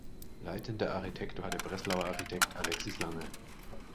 Leitender Architekt war der Breslauer Architekt Alexis Langer.